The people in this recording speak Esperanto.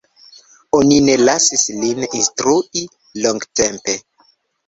Oni ne lasis lin instrui longtempe.